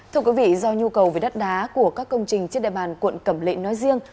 thưa quý vị do nhu cầu về đất đá của các công trình trên địa bàn quận cẩm lệ nói riêng